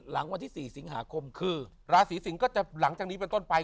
หลังวันที่๔สิงหาคมคือราศีสิงศ์ก็จะหลังจากนี้เป็นต้นไป